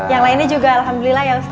yang lainnya juga alhamdulillah ya